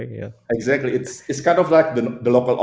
tepat sekali ini seperti optimal lokal